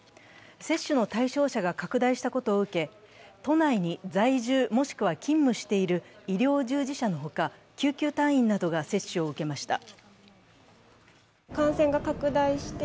接種の対象者が拡大したことを受け都内に在住もしくは勤務している医療従事者のほか、救急隊員などが接種を受けました。